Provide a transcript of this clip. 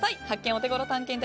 オテゴロ探検隊